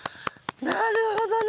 なるほどね。